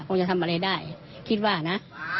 คงจะทำอะไรได้คิดว่านะ